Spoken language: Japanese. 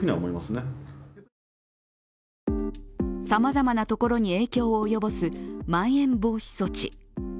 さまざまなところに影響を及ぼす、まん延防止措置。